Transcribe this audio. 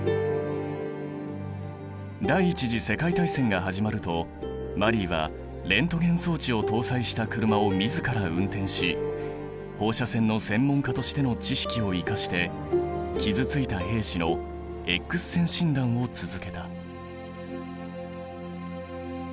第一次世界大戦が始まるとマリーはレントゲン装置を搭載した車を自ら運転し放射線の専門家としての知識を生かして傷ついた兵士のエックス線診断を続けた。